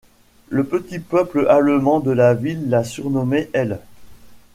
Le petit peuple allemand de la ville la surnommait l'.